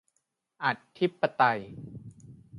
อธิปไตย